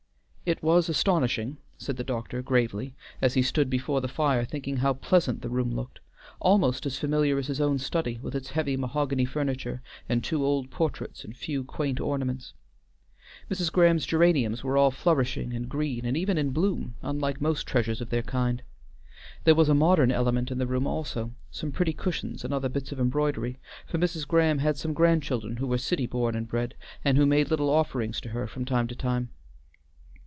"It was astonishing," said the doctor gravely, as he stood before the fire thinking how pleasant the room looked; almost as familiar as his own study, with its heavy mahogany furniture and two old portraits and few quaint ornaments. Mrs. Graham's geraniums were all flourishing and green and even in bloom, unlike most treasures of their kind. There was a modern element in the room also, some pretty cushions and other bits of embroidery; for Mrs. Graham had some grandchildren who were city born and bred, and who made little offerings to her from time to time.